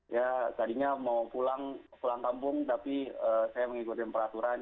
ya tadinya mau pulang kampung tapi saya mengikuti peraturan